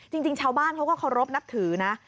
จริงชาวบ้านเขาก็เคารพนับถือนะ